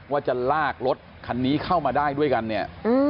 ว่าจะลากรถคันนี้เข้ามาได้ด้วยกันเนี่ย